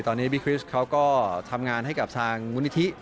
ตอนนี้บิ๊กริสเขาก็ทำงานให้กับทางมูลนิธิ